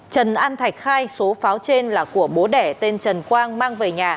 trần an thạch khai số pháo trên là của bố đẻ tên trần quang mang về nhà